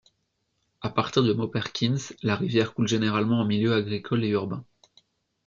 À partir du hameau Perkins, la rivière coule généralement en milieu agricole et urbain.